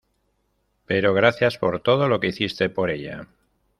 pero gracias por todo lo que hiciste por ella.